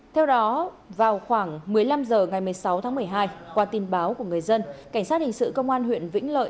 theo đó vào khoảng một mươi năm h ngày một mươi sáu tháng một mươi hai qua tin báo của người dân cảnh sát hình sự công an huyện vĩnh lợi